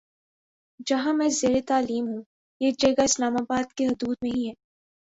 جہاں میں زیرتعلیم ہوں یہ جگہ اسلام آباد کی حدود میں ہی ہے